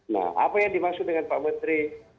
nah apa yang dimaksud dengan pak menteri